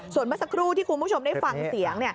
ส่วนเมื่อสักครู่ที่คุณผู้ชมได้ฟังเสียง